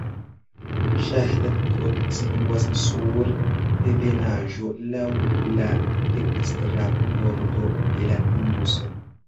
Ŝahdadkot situas sur ebenaĵo laŭ la dekstra bordo de la Induso.